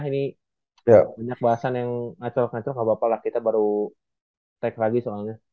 ini banyak bahasan yang ngacok ngacok gak apa apa lah kita baru tag lagi soalnya